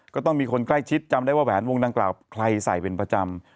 ก็ต้องมีคนใกล้ชิดจำได้ว่าแหวนวงดังกล่าวใครใส่เป็นประจำ